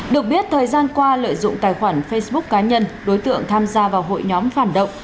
được biết thời gian qua lợi dụng tài khoản facebook cá nhân đối tượng tham gia vào hội nhóm phản động